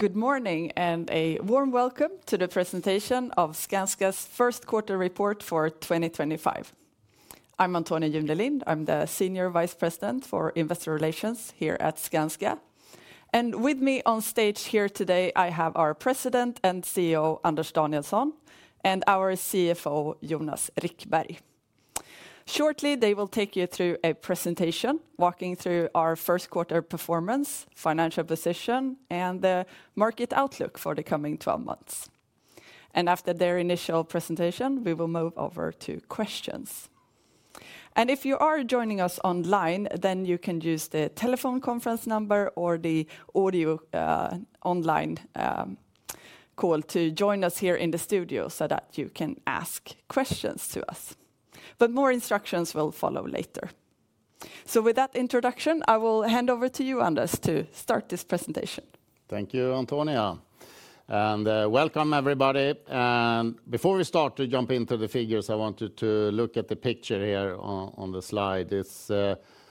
Good morning and a warm welcome to the presentation of Skanska's first quarter report for 2025. I'm Antonia Junelind. I'm the Senior Vice President for Investor Relations here at Skanska. With me on stage here today, I have our President and CEO, Anders Danielsson, and our CFO, Jonas Rickberg. Shortly, they will take you through a presentation, walking through our first quarter performance, financial position, and the market outlook for the coming 12 months. After their initial presentation, we will move over to questions. If you are joining us online, you can use the telephone conference number or the audio online call to join us here in the studio so that you can ask questions to us. More instructions will follow later. With that introduction, I will hand over to you, Anders, to start this presentation. Thank you, Antonia. Welcome, everybody. Before we start to jump into the figures, I want you to look at the picture here on the slide. It is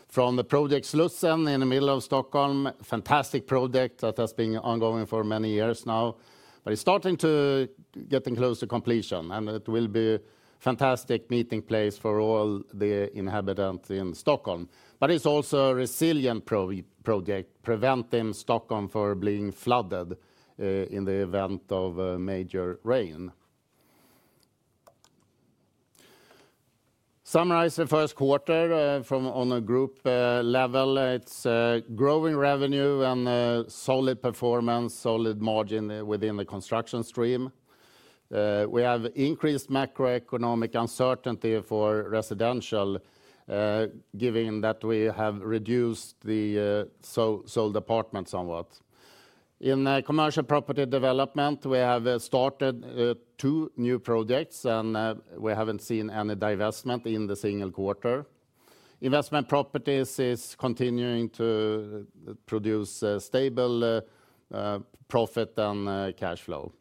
from the project Slussen in the middle of Stockholm. Fantastic project that has been ongoing for many years now, but it is starting to get close to completion. It will be a fantastic meeting place for all the inhabitants in Stockholm. It is also a resilient project, preventing Stockholm from being flooded in the event of major rain. Summarize the first quarter from on a group level. It is growing revenue, and solid performance, solid margin within the construction stream. We have increased macroeconomic uncertainty for residential, given that we have reduced the sold department somewhat. In commercial property development, we have started two new projects, and we have not seen any divestment in the single quarter. Investment properties are continuing to produce stable profit and cash flow.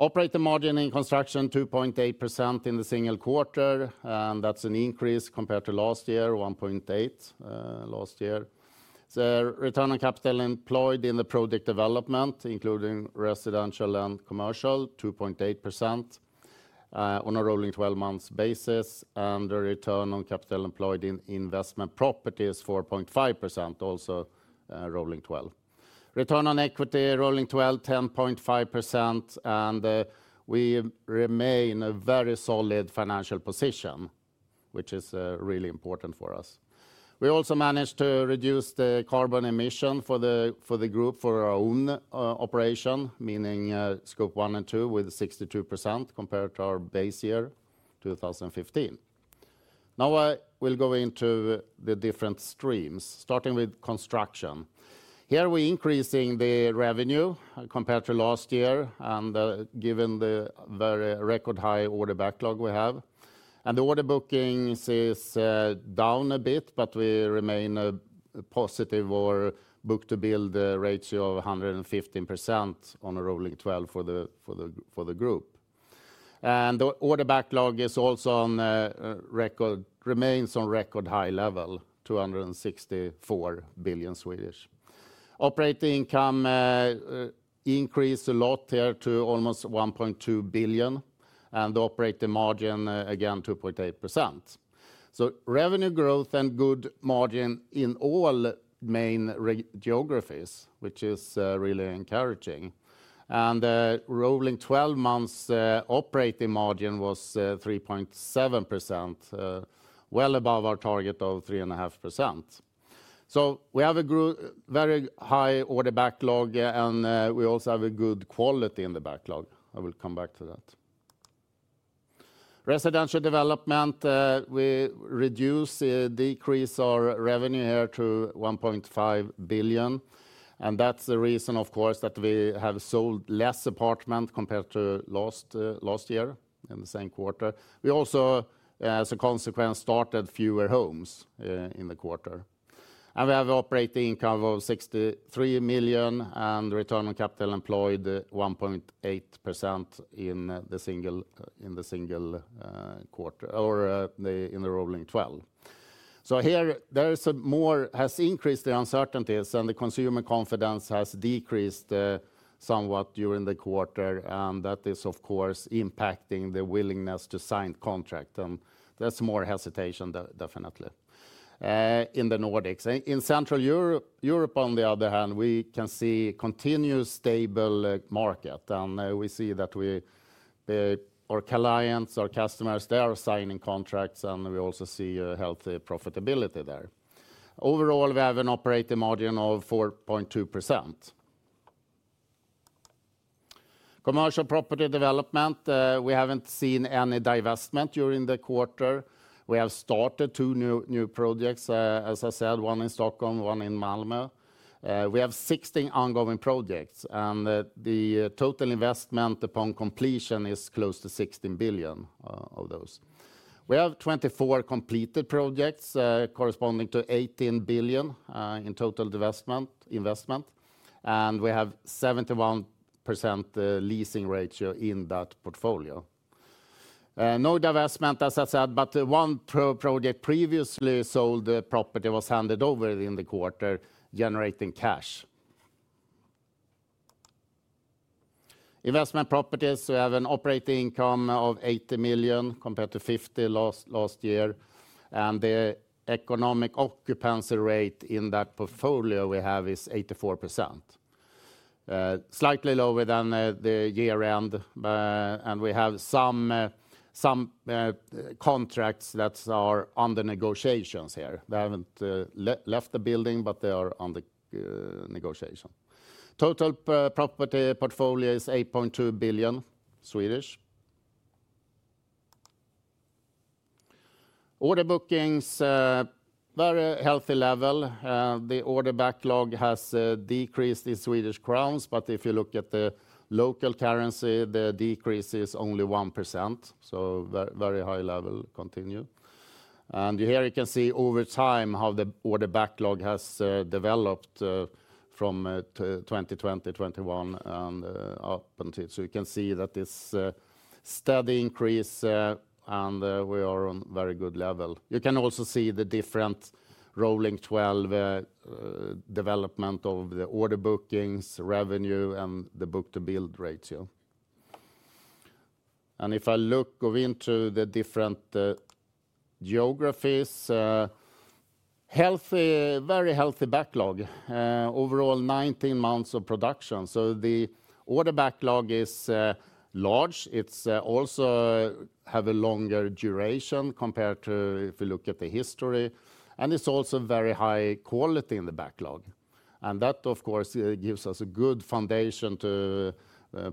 Operating margin in construction, 2.8% in the single quarter. That is an increase compared to last year, 1.8% last year. The return on capital employed in the project development, including residential and commercial, 2.8% on a rolling 12-month basis. The return on capital employed in investment properties, 4.5%, also rolling 12. Return on equity, rolling 12, 10.5%. We remain in a very solid financial position, which is really important for us. We also managed to reduce the carbon emission for the group, for our own operation, meaning scope one and two, with 62% compared to our base year, 2015. Now I will go into the different streams, starting with construction. Here we are increasing the revenue compared to last year, and given the very record high order backlog we have. The order booking is down a bit, but we remain at a positive book-to-build ratio of 115% on a rolling 12 for the group. The order backlog is also on record, remains at a record high level, 264 billion. Operating income increased a lot here to almost 1.2 billion, and the operating margin again, 2.8%. Revenue growth and good margin in all main geographies, which is really encouraging. The rolling 12-month operating margin was 3.7%, well above our target of 3.5%. We have a very high order backlog, and we also have good quality in the backlog. I will come back to that. Residential development, we decreased our revenue here to 1.5 billion. That is the reason, of course, that we have sold fewer apartments compared to last year in the same quarter. We also, as a consequence, started fewer homes in the quarter. We have an operating income of 63 million, and return on capital employed 1.8% in the single quarter or in the rolling 12. Here, there is more has increased the uncertainties, and the consumer confidence has decreased somewhat during the quarter. That is, of course, impacting the willingness to sign contracts. There is more hesitation, definitely, in the Nordics. In Central Europe, Europe, on the other hand, we can see continuous stable market. We see that our clients, our customers, they are signing contracts, and we also see a healthy profitability there. Overall, we have an operating margin of 4.2%. Commercial property development, we have not seen any divestment during the quarter. We have started two new projects, as I said, one in Stockholm, one in Malmö. We have 16 ongoing projects, and the total investment upon completion is close to 16 billion of those. We have 24 completed projects, corresponding to 18 billion in total investment. We have a 71% leasing ratio in that portfolio. No divestment, as I said, but one project previously sold, the property was handed over in the quarter, generating cash. Investment properties, we have an operating income of 80 million compared to 50 million last year. The economic occupancy rate in that portfolio we have is 84%, slightly lower than the year-end. We have some contracts that are under negotiations here. They have not left the building, but they are under negotiation. Total property portfolio is 8.2 billion. Order bookings, very healthy level. The order backlog has decreased in Swedish crowns, but if you look at the local currency, the decrease is only 1%. Very high level continue. Here you can see over time how the order backlog has developed from 2020, 2021, and up until now. You can see this steady increase, and we are on a very good level. You can also see the different rolling 12 development of the order bookings, revenue, and the book-to-build ratio. If I go into the different geographies, very healthy backlog. Overall, 19 months of production. The order backlog is large. It also has a longer duration compared to if you look at the history. It is also very high quality in the backlog. That, of course, gives us a good foundation to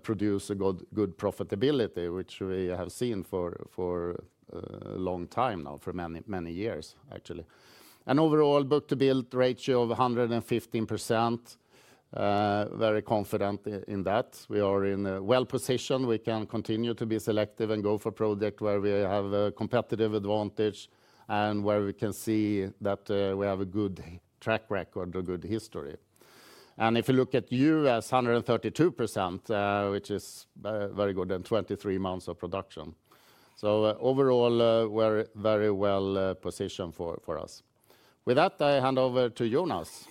produce a good profitability, which we have seen for a long time now, for many years, actually. Overall, book-to-build ratio of 115%. Very confident in that. We are well-positioned. We can continue to be selective and go for projects where we have a competitive advantage and where we can see that we have a good track record, a good history. If you look at US, 132%, which is very good in 23 months of production. Overall, we're very well positioned for us. With that, I hand over to Jonas.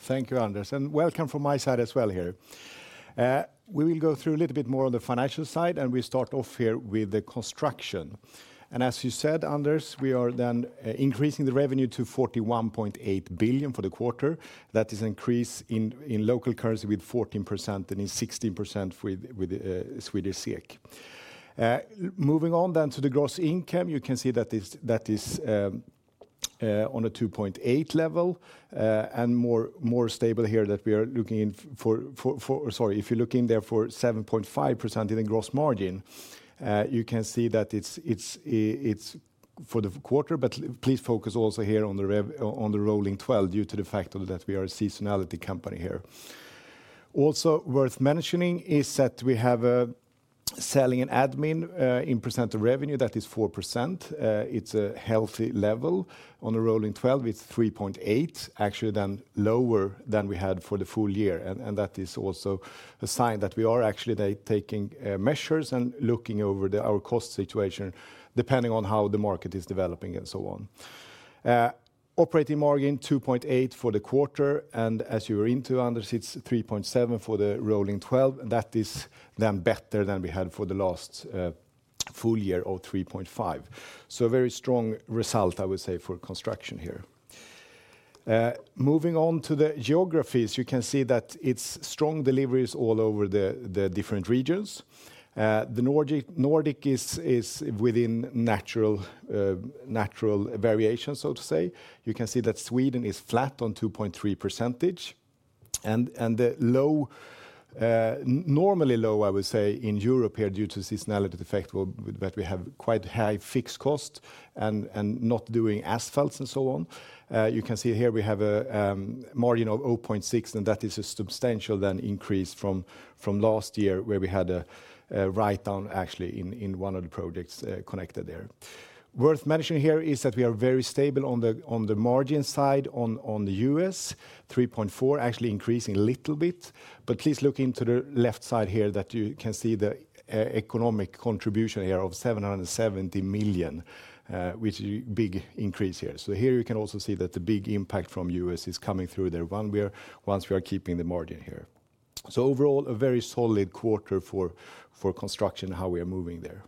Thank you, Anders. Welcome from my side as well here. We will go through a little bit more on the financial side, and we start off here with the construction. As you said, Anders, we are then increasing the revenue to 41.8 billion for the quarter. That is an increase in local currency with 14% and in 16% with Swedish SEK. Moving on then to the gross income, you can see that is on a 2.8 level and more stable here that we are looking for. Sorry, if you look in there for 7.5% in the gross margin, you can see that it's for the quarter, but please focus also here on the rolling 12 due to the fact that we are a seasonality company here. Also worth mentioning is that we have a selling and admin in percent of revenue. That is 4%. It's a healthy level on the rolling 12. It's 3.8, actually then lower than we had for the full year. That is also a sign that we are actually taking measures and looking over our cost situation depending on how the market is developing and so on. Operating margin 2.8 for the quarter. As you were into, Anders, it's 3.7 for the rolling 12. That is then better than we had for the last full year of 3.5. A very strong result, I would say, for construction here. Moving on to the geographies, you can see that it's strong deliveries all over the different regions. The Nordic is within natural variations, so to say. You can see that Sweden is flat on 2.3%. The low, normally low, I would say, in Europe here is due to the seasonality effect that we have quite high fixed costs and not doing asphalts and so on. You can see here we have a margin of 0.6%, and that is a substantial increase from last year where we had a write-down actually in one of the projects connected there. Worth mentioning here is that we are very stable on the margin side in the US, 3.4%, actually increasing a little bit. Please look into the left side here where you can see the economic contribution of 770 million, which is a big increase. Here you can also see that the big impact from the US is coming through once we are keeping the margin here. Overall, a very solid quarter for construction and how we are moving there.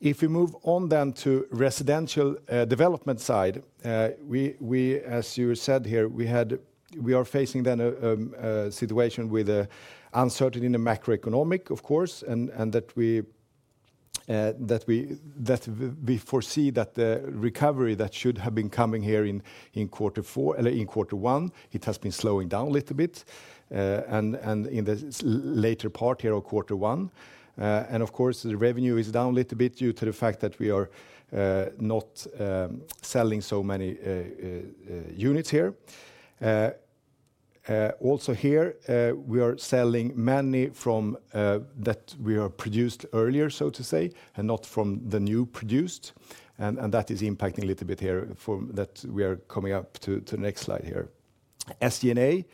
If we move on then to the residential development side, as you said here, we are facing then a situation with an uncertainty in the macroeconomic, of course, and that we foresee that the recovery that should have been coming here in quarter four or in quarter one, it has been slowing down a little bit. In the later part here of quarter one, the revenue is down a little bit due to the fact that we are not selling so many units here. Also here, we are selling many from that we are produced earlier, so to say, and not from the new produced. That is impacting a little bit here that we are coming up to the next slide here. SG&A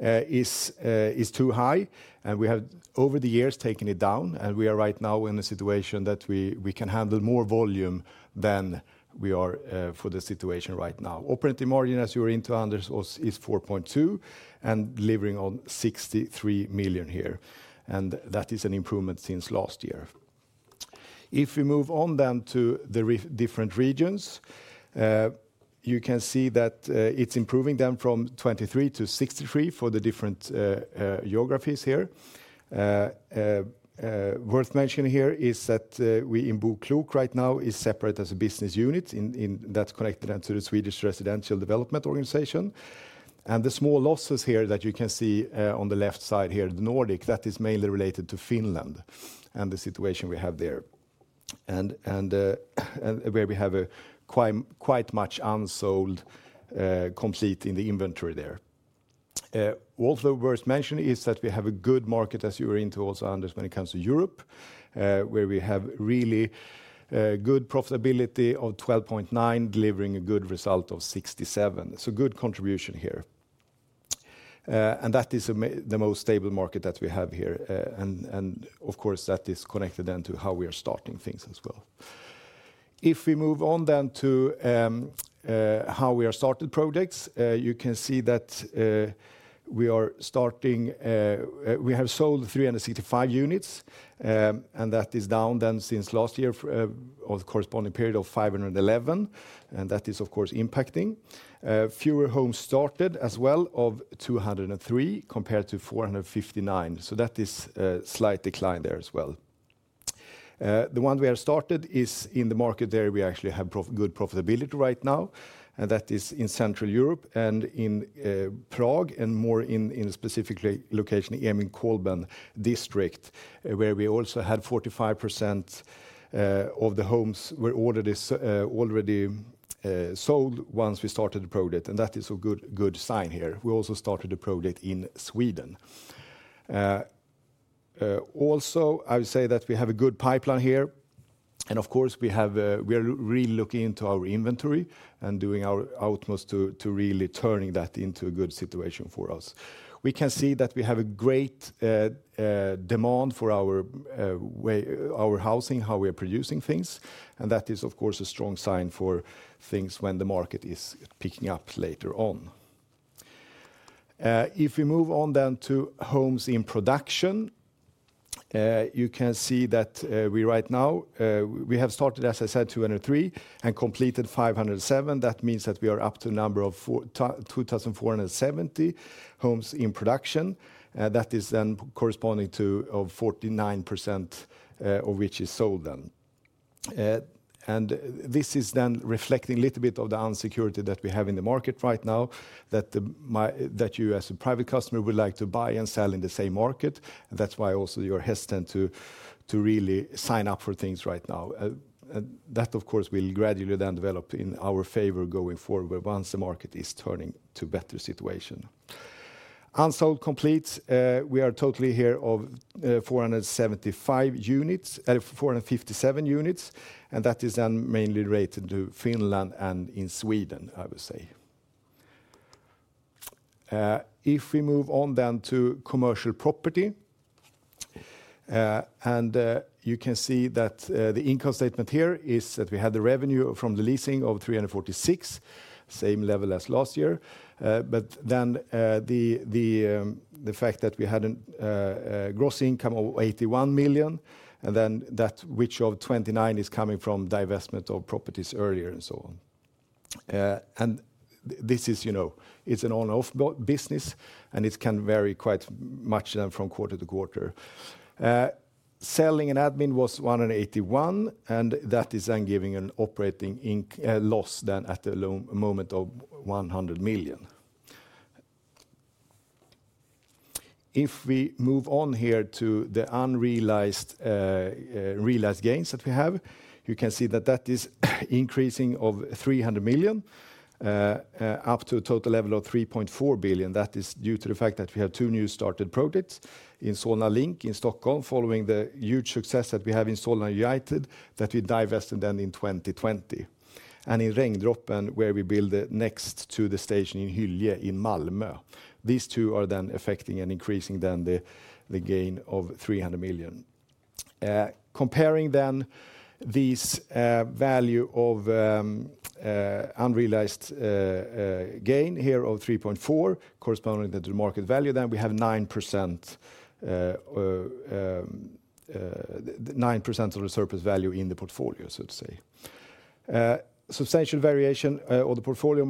is too high, and we have over the years taken it down. We are right now in a situation that we can handle more volume than we are for the situation right now. Operating margin, as you were into, Anders, is 4.2% and delivering on 63 million here. That is an improvement since last year. If we move on to the different regions, you can see that it is improving them from 23 million to 63 million for the different geographies here. Worth mentioning here is that we in Boklok right now is separate as a business unit that is connected to the Swedish Residential Development Organization. The small losses here that you can see on the left side here, the Nordic, that is mainly related to Finland and the situation we have there, where we have quite much unsold complete in the inventory there. Also worth mentioning is that we have a good market, as you were into also, Anders, when it comes to Europe, where we have really good profitability of 12.9%, delivering a good result of 67 million. Good contribution here. That is the most stable market that we have here. Of course, that is connected then to how we are starting things as well. If we move on then to how we are started projects, you can see that we are starting, we have sold 365 units, and that is down then since last year of the corresponding period of 511. That is, of course, impacting. Fewer homes started as well of 203 compared to 459. That is a slight decline there as well. The one we are started is in the market there we actually have good profitability right now. That is in Central Europe and in Prague, and more specifically the location in Karlín district, where we also had 45% of the homes already sold once we started the project. That is a good sign here. We also started the project in Sweden. I would say that we have a good pipeline here. Of course, we are really looking into our inventory and doing our utmost to really turn that into a good situation for us. We can see that we have a great demand for our housing, how we are producing things. That is, of course, a strong sign for things when the market is picking up later on. If we move on to homes in production, you can see that right now, we have started, as I said, 203 and completed 507. That means that we are up to a number of 2,470 homes in production. That is then corresponding to 49% of which is sold then. This is then reflecting a little bit of the unsecurity that we have in the market right now, that you as a private customer would like to buy and sell in the same market. That is why also you're hesitant to really sign up for things right now. That, of course, will gradually then develop in our favor going forward once the market is turning to a better situation. Unsold complete, we are totally here of 475 units, 457 units. That is then mainly related to Finland and in Sweden, I would say. If we move on then to commercial property. You can see that the income statement here is that we had the revenue from the leasing of 346 million, same level as last year. The fact that we had a gross income of 81 million, and that 29 million is coming from divestment of properties earlier and so on. This is an on-off business, and it can vary quite much from quarter to quarter. Selling and admin was 181 million, and that is giving an operating loss at the moment of 100 million. If we move on here to the unrealized gains that we have, you can see that is increasing 300 million up to a total level of 3.4 billion. That is due to the fact that we have two new started projects in Solna Link in Stockholm following the huge success that we have in Solna United that we divested then in 2020. In Regndroppen, where we build next to the station in Hyllie in Malmö. These two are then affecting and increasing the gain of 300 million. Comparing this value of unrealized gain here of 3.4 billion corresponding to the market value, we have 9% of the surplus value in the portfolio, so to say. Substantial variation of the portfolio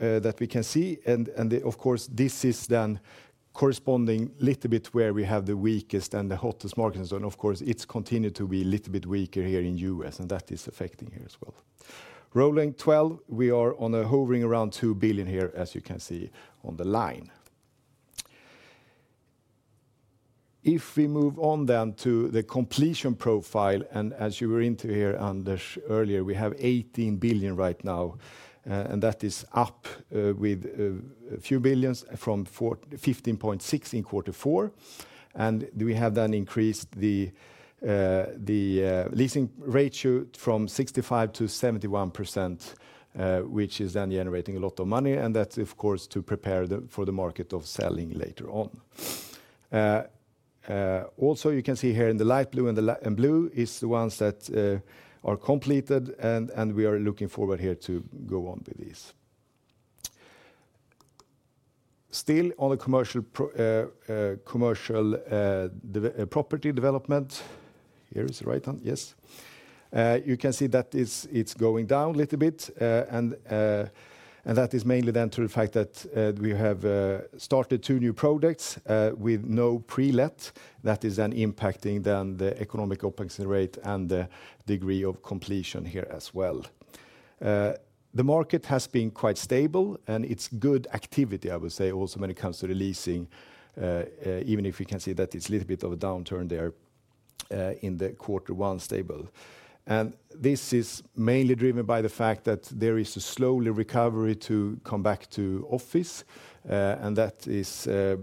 that we can see. Of course, this is then corresponding a little bit where we have the weakest and the hottest markets. Of course, it is continued to be a little bit weaker here in the U.S., and that is affecting here as well. Rolling 12, we are hovering around 2 billion here, as you can see on the line. If we move on to the completion profile, as you were into here, Anders, earlier, we have 18 billion right now. That is up with a few billions from 15.6 billion in quarter four. We have increased the leasing ratio from 65% to 71%, which is generating a lot of money. That is, of course, to prepare for the market of selling later on. You can see here in the light blue and blue is the ones that are completed, and we are looking forward here to go on with these. Still on the commercial property development, here is the right one, yes. You can see that it is going down a little bit. That is mainly then due to the fact that we have started two new projects with no pre-let. That is then impacting the economic opens rate and the degree of completion here as well. The market has been quite stable, and it is good activity, I would say, also when it comes to the leasing, even if you can see that it is a little bit of a downturn there in the quarter one stable. This is mainly driven by the fact that there is a slow recovery to come back to office. You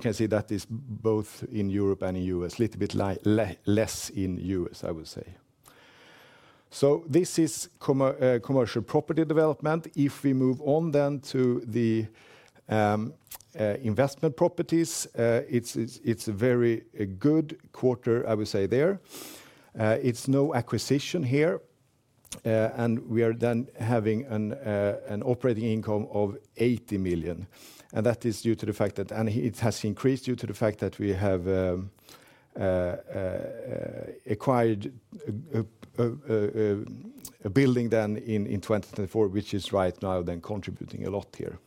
can see that is both in Europe and in the US, a little bit less in the US, I would say. This is commercial property development. If we move on to the investment properties, it is a very good quarter, I would say, there. There is no acquisition here. We are then having an operating income of 80 million. That is due to the fact that it has increased due to the fact that we have acquired a building in 2024, which is right now contributing a lot here.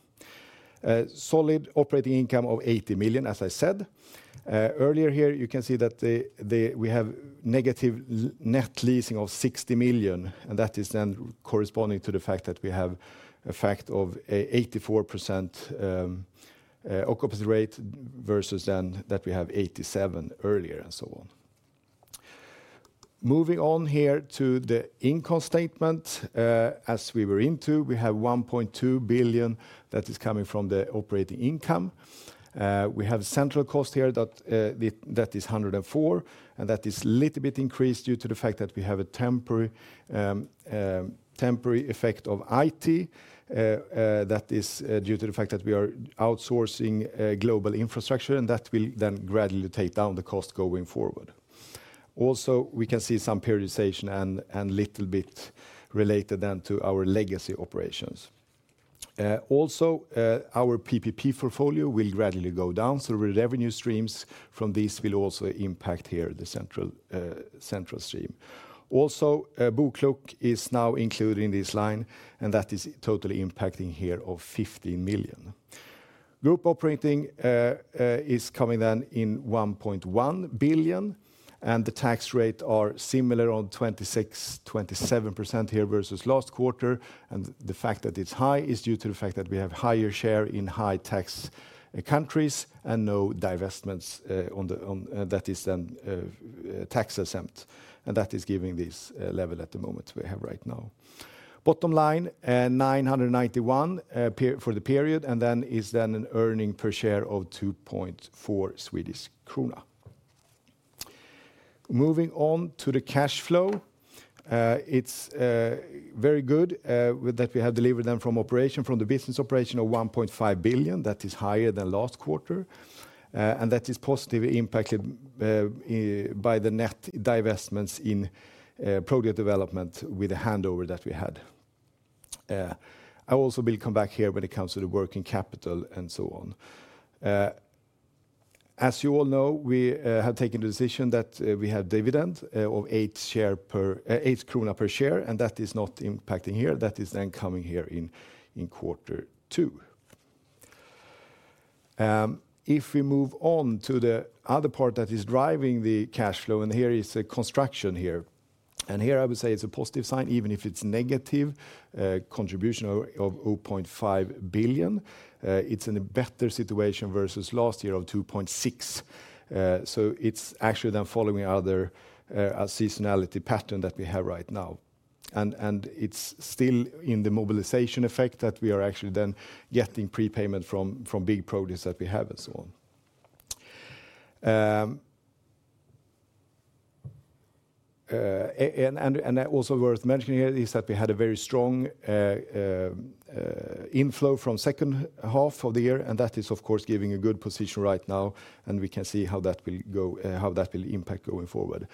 Solid operating income of 80 million, as I said. Earlier here, you can see that we have negative net leasing of 60 million. That is then corresponding to the fact that we have a fact of 84% occupancy rate versus 87% earlier and so on. Moving on here to the income statement, as we were into, we have 1.2 billion that is coming from the operating income. We have central cost here that is 104 million, and that is a little bit increased due to the fact that we have a temporary effect of IT that is due to the fact that we are outsourcing global infrastructure, and that will then gradually take down the cost going forward. Also, we can see some periodization and a little bit related then to our legacy operations. Also, our PPP portfolio will gradually go down. The revenue streams from these will also impact here the central stream. Also, Book Luke is now included in this line, and that is totally impacting here of 15 million. Group operating is coming then in 1.1 billion, and the tax rate are similar on 26-27% here versus last quarter. The fact that it is high is due to the fact that we have higher share in high tax countries and no divestments on that is then tax exempt. That is giving this level at the moment we have right now. Bottom line, 991 for the period, and then is then an earning per share of 2.4 Swedish krona. Moving on to the cash flow, it is very good that we have delivered them from operation from the business operation of 1.5 billion. That is higher than last quarter. That is positively impacted by the net divestments in project development with the handover that we had. I also will come back here when it comes to the working capital and so on. As you all know, we have taken the decision that we have dividend of 8 per share, and that is not impacting here. That is then coming here in quarter two. If we move on to the other part that is driving the cash flow, and here is construction here. Here I would say it's a positive sign, even if it's negative contribution of 0.5 billion. It's in a better situation versus last year of 2.6 billion. It's actually then following other seasonality pattern that we have right now. It's still in the mobilization effect that we are actually then getting prepayment from big projects that we have and so on. Also worth mentioning here is that we had a very strong inflow from second half of the year, and that is of course giving a good position right now, and we can see how that will impact going forward.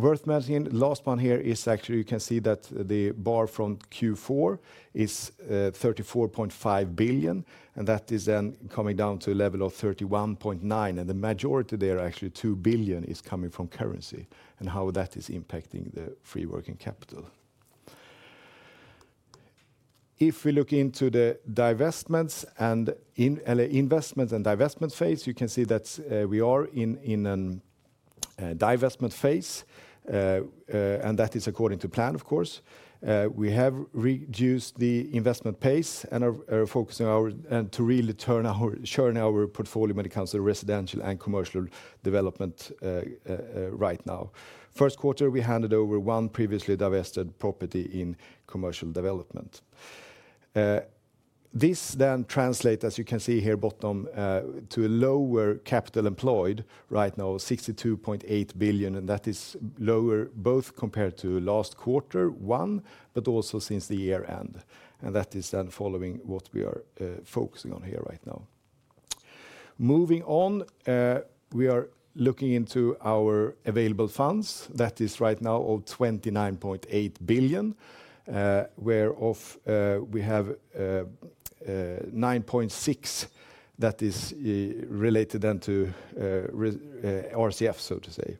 Worth mentioning, last one here is actually you can see that the bar from Q4 is 34.5 billion, and that is then coming down to a level of 31.9 billion, and the majority there actually 2 billion is coming from currency and how that is impacting the free working capital. If we look into the divestments and investments and divestment phase, you can see that we are in a divestment phase, and that is according to plan, of course. We have reduced the investment pace and are focusing on to really churn our portfolio when it comes to residential and commercial development right now. First quarter, we handed over one previously divested property in commercial development. This then translates, as you can see here bottom, to a lower capital employed right now of 62.8 billion, and that is lower both compared to last quarter one, but also since the year end. That is then following what we are focusing on here right now. Moving on, we are looking into our available funds. That is right now of 29.8 billion, whereof we have 9.6 billion that is related then to RCF, so to say.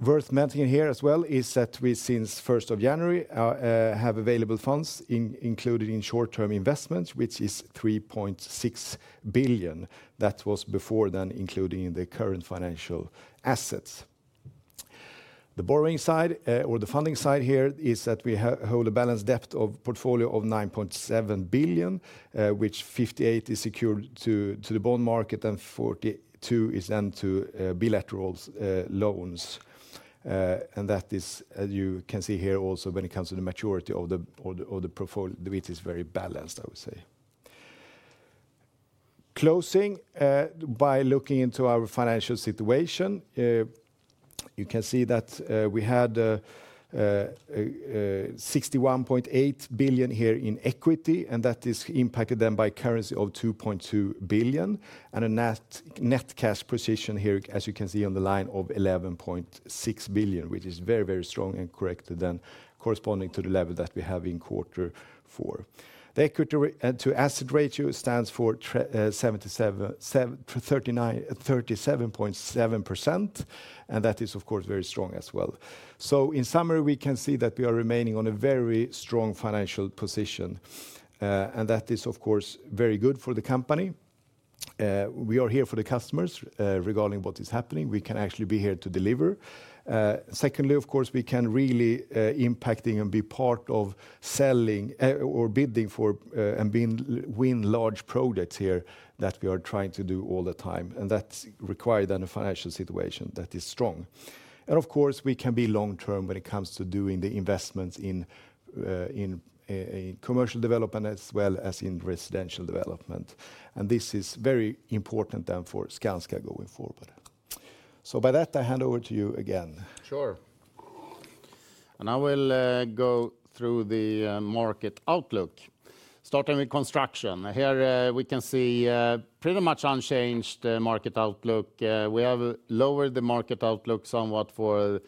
Worth mentioning here as well is that we since 1st of January have available funds included in short-term investments, which is 3.6 billion. That was before then including in the current financial assets. The borrowing side or the funding side here is that we hold a balance depth of portfolio of 9.7 billion, which 58% is secured to the bond market and 42% is then to bilateral loans. That is, as you can see here also when it comes to the maturity of the portfolio, which is very balanced, I would say. Closing by looking into our financial situation, you can see that we had 61.8 billion here in equity, and that is impacted then by currency of 2.2 billion and a net cash position here, as you can see on the line of 11.6 billion, which is very, very strong and corrected then corresponding to the level that we have in quarter four. The equity to asset ratio stands for 37.7%, and that is of course very strong as well. In summary, we can see that we are remaining on a very strong financial position, and that is of course very good for the company. We are here for the customers regarding what is happening. We can actually be here to deliver. Secondly, of course, we can really impact and be part of selling or bidding for and win large projects here that we are trying to do all the time. That requires then a financial situation that is strong. Of course, we can be long-term when it comes to doing the investments in commercial development as well as in residential development. This is very important then for Skanska going forward. By that, I hand over to you again. Sure. I will go through the market outlook. Starting with construction, here we can see pretty much unchanged market outlook. We have lowered the market outlook somewhat for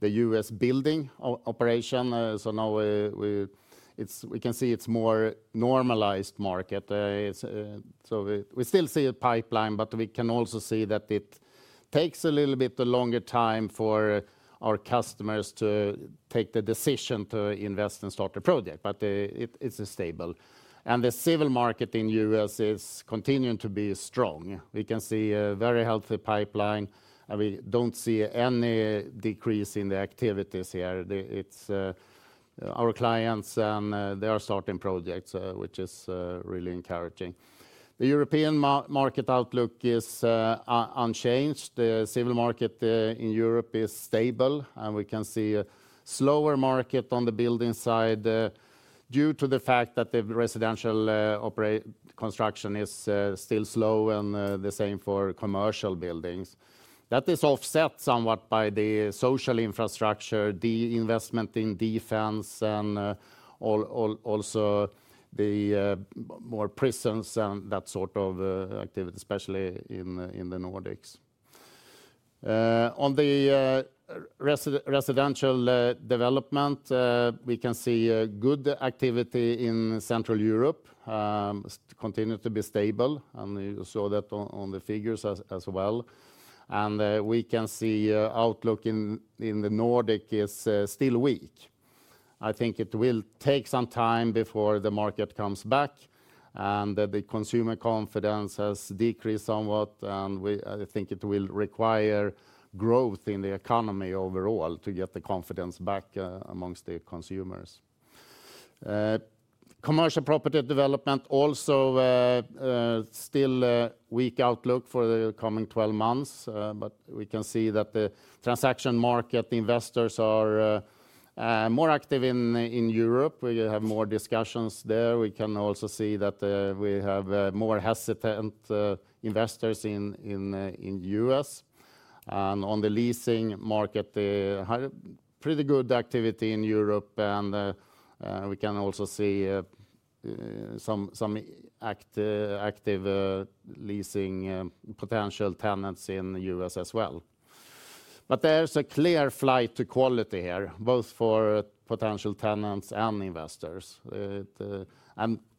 the US building operation. Now we can see it is more normalized market. We still see a pipeline, but we can also see that it takes a little bit longer time for our customers to take the decision to invest and start a project, but it's stable. The civil market in the US is continuing to be strong. We can see a very healthy pipeline, and we don't see any decrease in the activities here. Our clients and they are starting projects, which is really encouraging. The European market outlook is unchanged. The civil market in Europe is stable, and we can see a slower market on the building side due to the fact that the residential construction is still slow and the same for commercial buildings. That is offset somewhat by the social infrastructure, the investment in defense and also the more prisons and that sort of activity, especially in the Nordics. On the residential development, we can see good activity in Central Europe, continuing to be stable, and you saw that on the figures as well. We can see outlook in the Nordics is still weak. I think it will take some time before the market comes back, and the consumer confidence has decreased somewhat, and I think it will require growth in the economy overall to get the confidence back amongst the consumers. Commercial property development also still a weak outlook for the coming 12 months, but we can see that the transaction market investors are more active in Europe. We have more discussions there. We can also see that we have more hesitant investors in the US. On the leasing market, pretty good activity in Europe, and we can also see some active leasing potential tenants in the US as well. There is a clear flight to quality here, both for potential tenants and investors.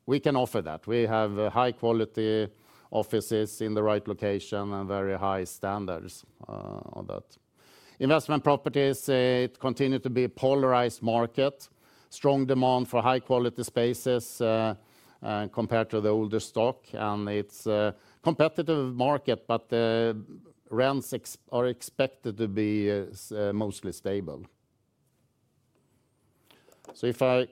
We can offer that. We have high-quality offices in the right location and very high standards on that. Investment properties, it continues to be a polarized market, strong demand for high-quality spaces compared to the older stock, and it is a competitive market, but rents are expected to be mostly stable. If I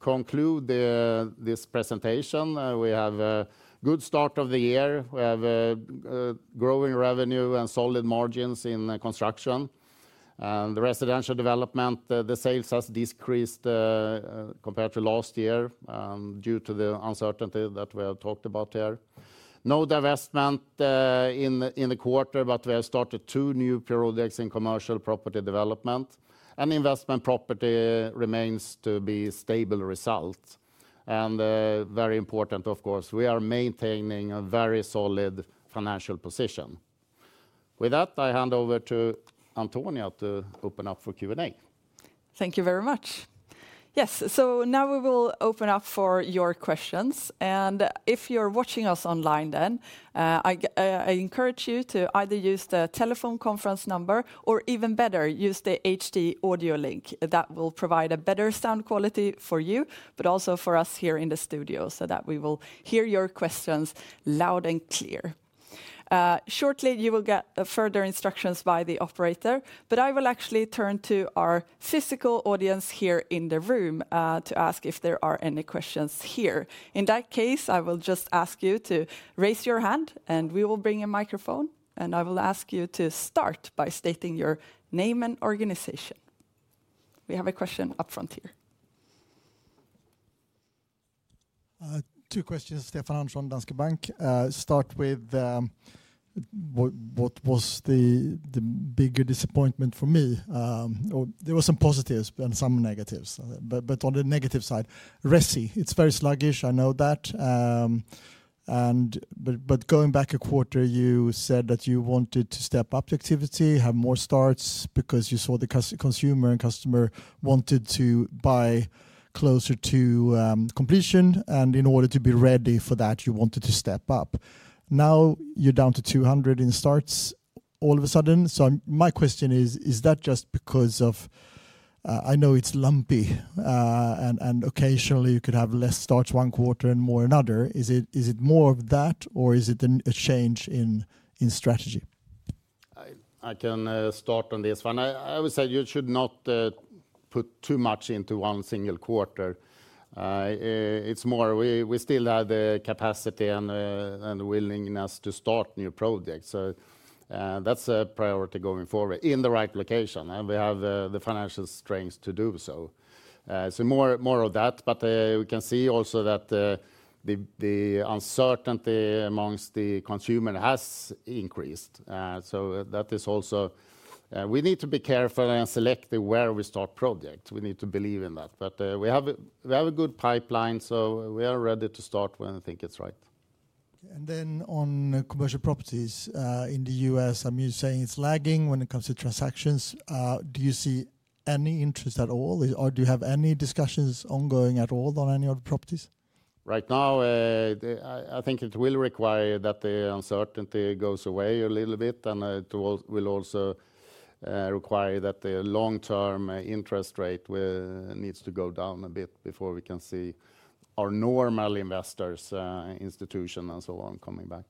conclude this presentation, we have a good start of the year. We have growing revenue and solid margins in construction. In the residential development, the sales has decreased compared to last year due to the uncertainty that we have talked about here. No divestment in the quarter, but we have started two new projects in commercial property development. Investment property remains to be a stable result. Very important, of course, we are maintaining a very solid financial position. With that, I hand over to Antonia to open up for Q&A. Thank you very much. Yes, now we will open up for your questions. If you're watching us online, I encourage you to either use the telephone conference number or, even better, use the HD audio link. That will provide a better sound quality for you, but also for us here in the studio so that we will hear your questions loud and clear. Shortly, you will get further instructions by the operator, but I will actually turn to our physical audience here in the room to ask if there are any questions here. In that case, I will just ask you to raise your hand, and we will bring a microphone, and I will ask you to start by stating your name and organization. We have a question up front here. Two questions, Stefan Andersson, Danske Bank. Start with what was the bigger disappointment for me. There were some positives and some negatives, but on the negative side, RESI, it's very sluggish, I know that. Going back a quarter, you said that you wanted to step up the activity, have more starts because you saw the consumer and customer wanted to buy closer to completion, and in order to be ready for that, you wanted to step up. Now you're down to 200 in starts all of a sudden. My question is, is that just because of, I know it's lumpy and occasionally you could have less starts one quarter and more another. Is it more of that or is it a change in strategy? I can start on this one. I would say you should not put too much into one single quarter. We still have the capacity and the willingness to start new projects. That is a priority going forward in the right location, and we have the financial strength to do so. More of that, but we can see also that the uncertainty amongst the consumer has increased. That is also, we need to be careful and selective where we start projects. We need to believe in that, but we have a good pipeline, so we are ready to start when we think it is right. On commercial properties in the US, I am saying it is lagging when it comes to transactions. Do you see any interest at all, or do you have any discussions ongoing at all on any of the properties? Right now, I think it will require that the uncertainty goes away a little bit, and it will also require that the long-term interest rate needs to go down a bit before we can see our normal investors, institutions, and so on coming back.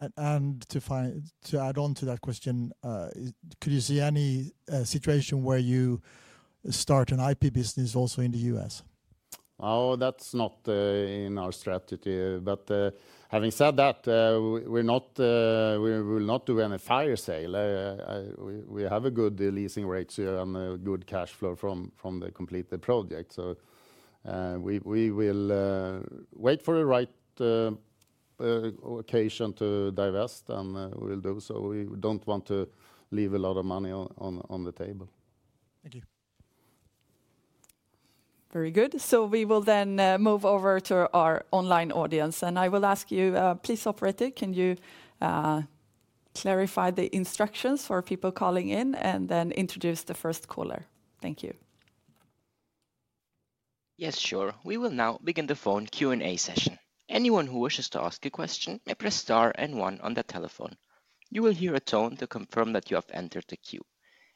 To add on to that question, could you see any situation where you start an IP business also in the US? Oh, that's not in our strategy, but having said that, we will not do any fire sale. We have a good leasing ratio and a good cash flow from the completed project. We will wait for the right occasion to divest, and we will do so. We do not want to leave a lot of money on the table. Thank you. Very good. We will then move over to our online audience, and I will ask you, please, operator, can you clarify the instructions for people calling in and then introduce the first caller? Thank you. Yes, sure. We will now begin the phone Q&A session. Anyone who wishes to ask a question may press star and one on the telephone. You will hear a tone to confirm that you have entered the queue.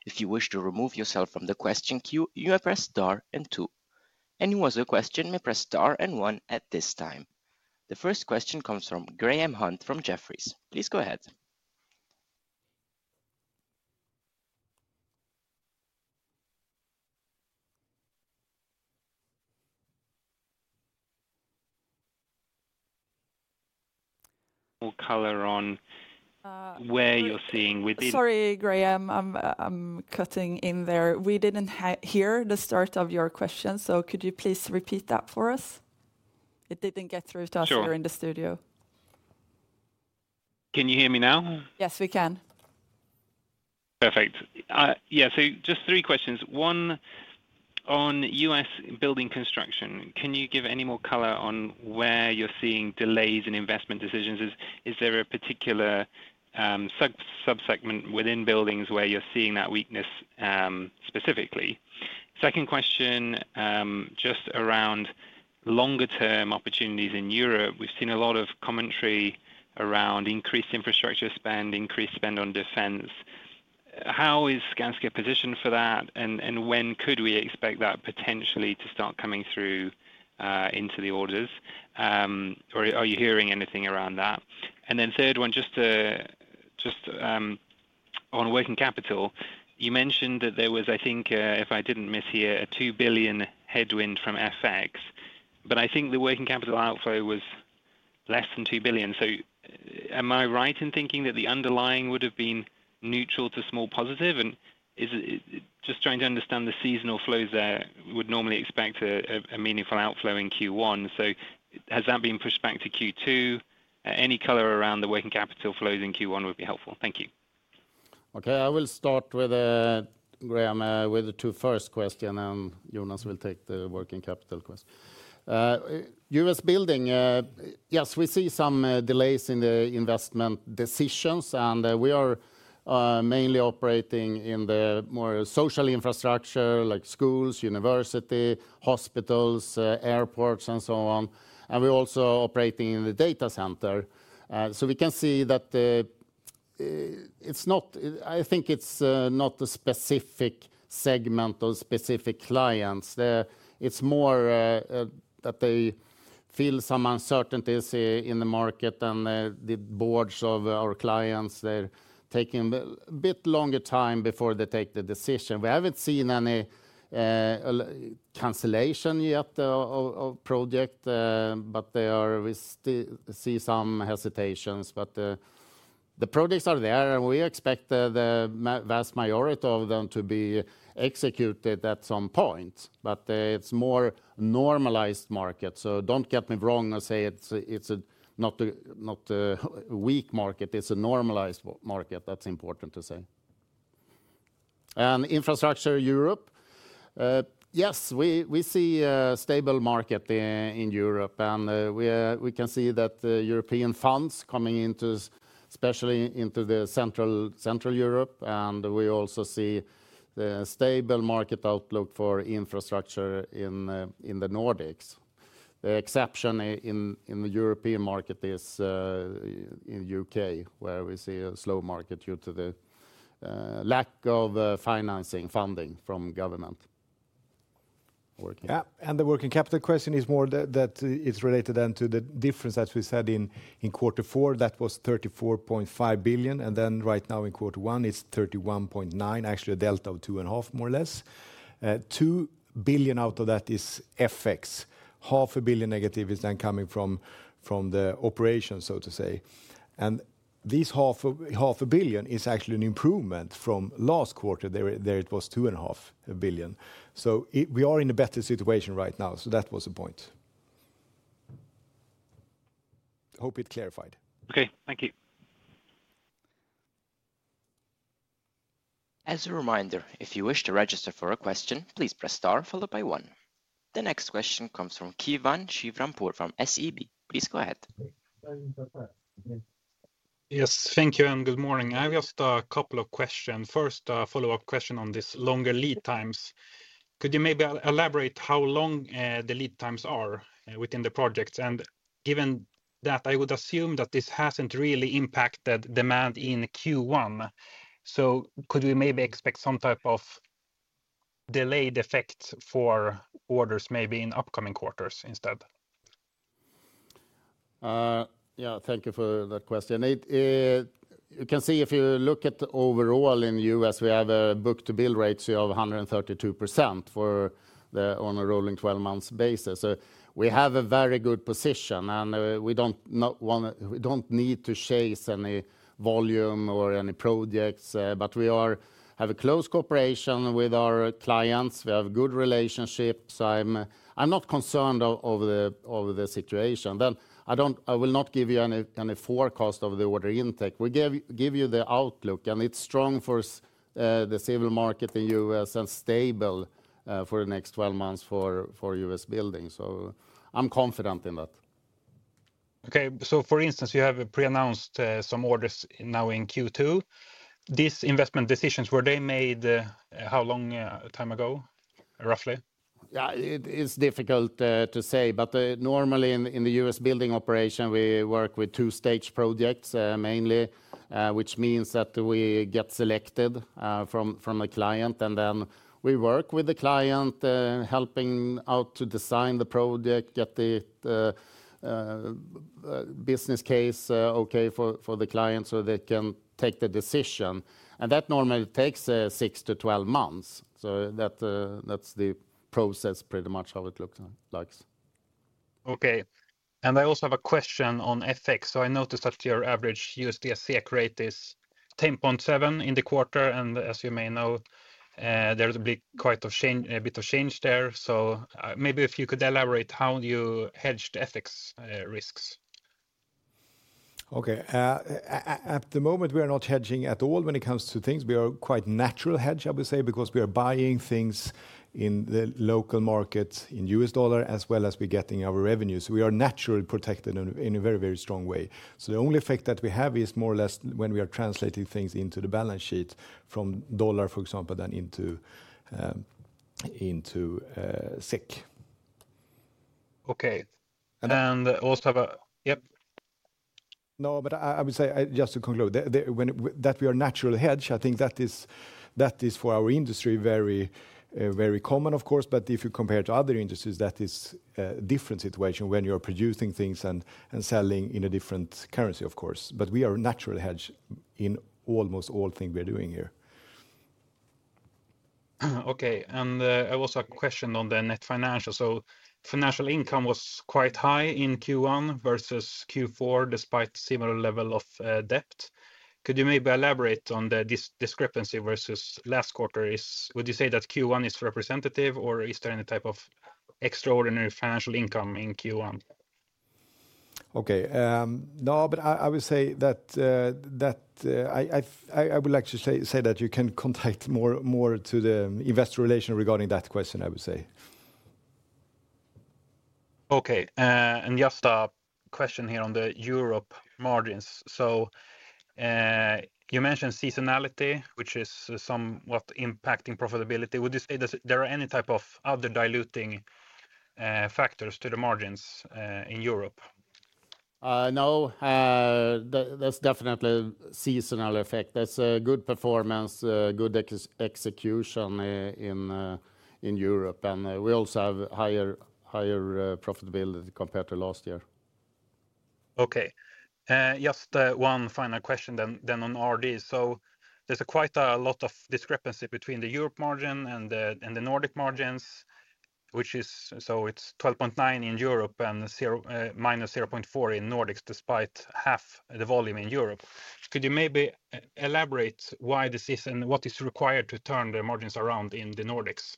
If you wish to remove yourself from the question queue, you may press star and two. Anyone with a question may press star and one at this time. The first question comes from Graham Hunt from Jefferies. Please go ahead. We will color on where you are seeing within. Sorry, Graham, I am cutting in there. We did not hear the start of your question, so could you please repeat that for us? It did not get through to us here in the studio. Can you hear me now? Yes, we can. Perfect. Yeah, just three questions. One on US building construction. Can you give any more color on where you are seeing delays in investment decisions? Is there a particular subsegment within buildings where you are seeing that weakness specifically? Second question, just around longer-term opportunities in Europe. We have seen a lot of commentary around increased infrastructure spend, increased spend on defense. How is Skanska positioned for that, and when could we expect that potentially to start coming through into the orders, or are you hearing anything around that? Third one, just on working capital, you mentioned that there was, I think, if I did not mishear, a 2 billion headwind from FX, but I think the working capital outflow was less than 2 billion. Am I right in thinking that the underlying would have been neutral to small positive? I am just trying to understand the seasonal flows there. We would normally expect a meaningful outflow in Q1. Has that been pushed back to Q2? Any color around the working capital flows in Q1 would be helpful. Thank you. Okay, I will start with Graham with the two first questions, and Jonas will take the working capital question. US building, yes, we see some delays in the investment decisions, and we are mainly operating in the more social infrastructure like schools, university, hospitals, airports, and so on. We are also operating in the data center. We can see that it is not, I think it is not a specific segment or specific clients. It is more that they feel some uncertainties in the market and the boards of our clients. They're taking a bit longer time before they take the decision. We haven't seen any cancellation yet of projects, but we still see some hesitations. The projects are there, and we expect the vast majority of them to be executed at some point. It's a more normalized market. Don't get me wrong and say it's not a weak market. It's a normalized market. That's important to say. Infrastructure in Europe, yes, we see a stable market in Europe, and we can see that European funds coming in, especially into Central Europe. We also see the stable market outlook for infrastructure in the Nordics. The exception in the European market is in the U.K., where we see a slow market due to the lack of financing, funding from government. Yeah, and the working capital question is more that it's related then to the difference that we said in quarter four. That was 34.5 billion, and then right now in quarter one, it's 31.9 billion, actually a delta of 2.5 billion, more or less. 2 billion out of that is FX. 500,000 negative is then coming from the operations, so to say. And this 500,000 is actually an improvement from last quarter where it was 2.5 billion. We are in a better situation right now. That was the point. Hope it clarified. Okay, thank you. As a reminder, if you wish to register for a question, please press star followed by one. The next question comes from Kivan Shivrampur from SEB. Please go ahead. Yes, thank you and good morning. I have just a couple of questions. First, a follow-up question on this longer lead times. Could you maybe elaborate how long the lead times are within the projects? Given that, I would assume that this hasn't really impacted demand in Q1. Could we maybe expect some type of delayed effect for orders maybe in upcoming quarters instead? Thank you for that question. You can see if you look at overall in the US, we have a book-to-build ratio of 132% on a rolling 12-month basis. We have a very good position, and we don't need to chase any volume or any projects, but we have a close cooperation with our clients. We have a good relationship, so I'm not concerned of the situation. I will not give you any forecast of the order intake. We give you the outlook, and it is strong for the civil market in the US and stable for the next 12 months for US building. I am confident in that. For instance, you have pre-announced some orders now in Q2. These investment decisions, were they made how long time ago, roughly? It is difficult to say, but normally in the US building operation, we work with two-stage projects mainly, which means that we get selected from the client, and then we work with the client, helping out to design the project, get the business case okay for the client so they can take the decision. That normally takes 6-12 months. That is the process pretty much how it looks like. I also have a question on FX. I noticed that your average USD/SEK rate is 10.7 in the quarter, and as you may know, there will be quite a bit of change there. Maybe if you could elaborate how you hedged FX risks. Okay, at the moment, we are not hedging at all when it comes to things. We are quite naturally hedged, I would say, because we are buying things in the local market in US dollar as well as we're getting our revenue. We are naturally protected in a very, very strong way. The only effect that we have is more or less when we are translating things into the balance sheet from dollar, for example, then into SEK. Okay, and also have a yep. No, but I would say just to conclude that we are naturally hedged, I think that is for our industry very common, of course. If you compare it to other industries, that is a different situation when you're producing things and selling in a different currency, of course. We are naturally hedged in almost all things we're doing here. Okay, I also have a question on the net financial. Financial income was quite high in Q1 versus Q4 despite a similar level of debt. Could you maybe elaborate on the discrepancy versus last quarter? Would you say that Q1 is representative, or is there any type of extraordinary financial income in Q1? No, but I would say that I would like to say that you can contact more to the investor relation regarding that question, I would say. Okay, and just a question here on the Europe margins. You mentioned seasonality, which is somewhat impacting profitability. Would you say that there are any type of other diluting factors to the margins in Europe? No, there's definitely a seasonal effect. There's a good performance, good execution in Europe, and we also have higher profitability compared to last year. Okay, just one final question then on RD. There's quite a lot of discrepancy between the Europe margin and the Nordic margins, which is, so it's 12.9% in Europe and minus 0.4% in Nordics despite half the volume in Europe. Could you maybe elaborate why this is and what is required to turn the margins around in the Nordics?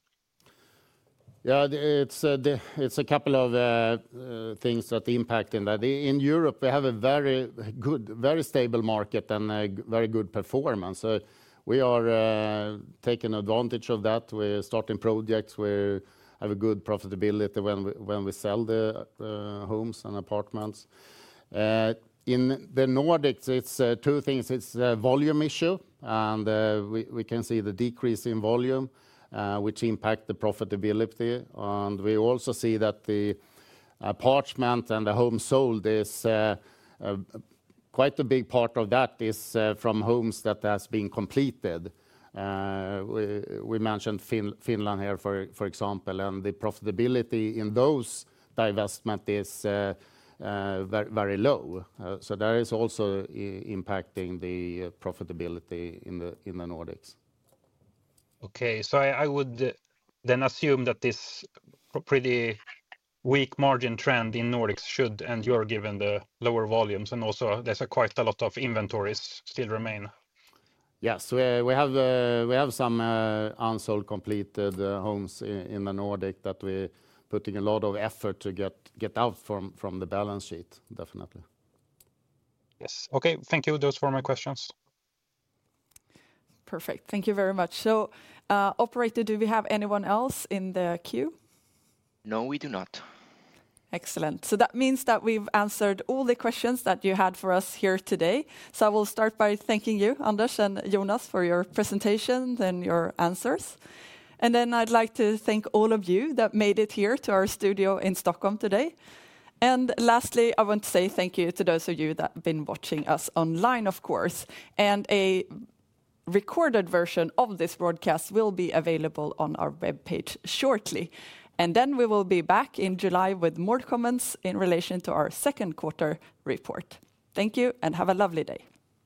Yeah, it's a couple of things that impact in that. In Europe, we have a very good, very stable market and very good performance. We are taking advantage of that. We're starting projects. We have a good profitability when we sell the homes and apartments. In the Nordics, it's two things. It's a volume issue, and we can see the decrease in volume, which impacts the profitability. We also see that the apartment and the home sold, quite a big part of that is from homes that have been completed. We mentioned Finland here, for example, and the profitability in those divestments is very low. That is also impacting the profitability in the Nordics. Okay, I would then assume that this pretty weak margin trend in Nordics should endure given the lower volumes and also there's quite a lot of inventories still remain. Yes, we have some unsold completed homes in the Nordics that we're putting a lot of effort to get out from the balance sheet, definitely. Yes, okay, thank you. Those were my questions. Perfect. Thank you very much. Operator, do we have anyone else in the queue? No, we do not. Excellent. That means that we've answered all the questions that you had for us here today. I will start by thanking you, Anders and Jonas, for your presentations and your answers. I would like to thank all of you that made it here to our studio in Stockholm today. Lastly, I want to say thank you to those of you that have been watching us online, of course. A recorded version of this broadcast will be available on our webpage shortly. We will be back in July with more comments in relation to our second quarter report. Thank you and have a lovely day.